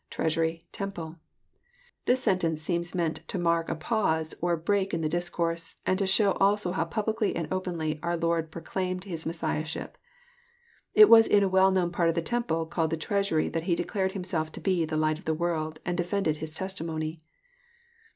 .treasury, ..temple,'] This sentence seems meant to mark a pause or break in the discourse, and to show also how publicly and openly our Lord proclaimed His Messiahship. It was in a well known part of the temple called the treasury that He declared Himself to be '* the light of the world," and defended His testimony.